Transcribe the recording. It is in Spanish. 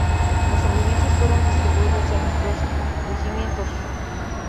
Los sobrevivientes fueron distribuidos en otros regimientos.